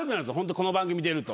この番組出ると。